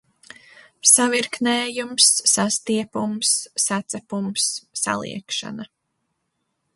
Savirknējums, sastiepums, sacepums, saliekšana.